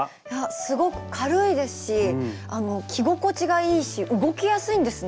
すごく軽いですし着心地がいいし動きやすいんですね。